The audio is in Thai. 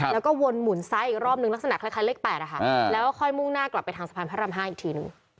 แล้วก็วนหมุนซ้ายอีกรอบนึงลักษณะคล้ายเลข๘แล้วค่อยมุ่งหน้ากลับไปทางสะพานพระราม๕อีกทีนึง